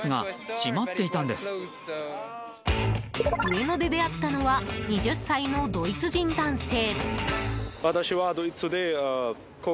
上野で出会ったのは２０歳のドイツ人男性。